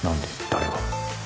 誰が？